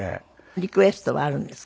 リクエストはあるんですか？